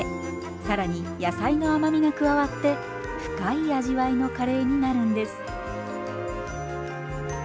更に野菜の甘みが加わって深い味わいのカレーになるんです。